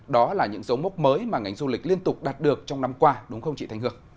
đó là những dấu mốc mới mà ngành du lịch liên tục đạt được trong năm qua đúng không chị thanh hương